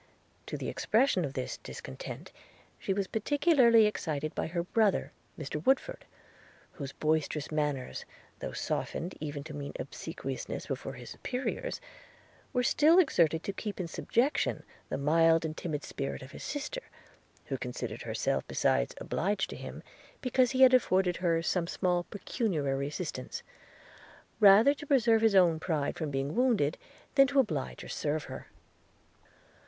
To the expression of this discontent she was particularly excited by her brother, Mr Woodford, whose boisterous manners, though softened even to mean obsequiousness before his superiors, were still exerted to keep in subjection the mild and timid spirit of his sister, who considered herself besides as obliged to him, because he had afforded her some small pecuniary assistance, rather to preserve his own pride from being wounded, than to oblige or serve her.